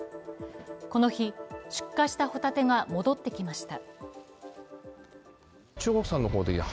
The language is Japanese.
この日、出荷したほたてが戻ってきました。